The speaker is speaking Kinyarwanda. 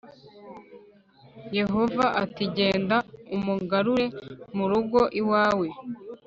yehova ati genda umugarure mu rugo iwawe